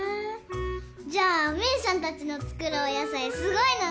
じゃあメイさんたちの作るお野菜すごいのね。